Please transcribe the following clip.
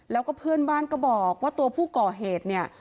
แล้วก็เพื่อนบ้านก็บอกว่าตัวผู้ก่อเหตุเนี่ย